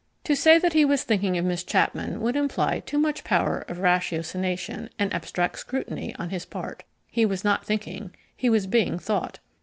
To say that he was thinking of Miss Chapman would imply too much power of ratiocination and abstract scrutiny on his part. He was not thinking: he was being thought.